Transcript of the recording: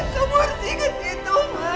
kamu harus inget itu mas